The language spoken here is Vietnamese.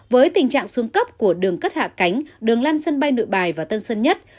với tình trạng xuống cấp của đường cất hạ cánh đường lan sân bay nội bài và tân sơn nhất